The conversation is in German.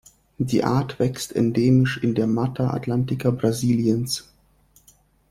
Die Art wächst endemisch in der Mata Atlântica Brasiliens.